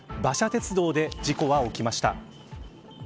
鉄道で事故は起きました。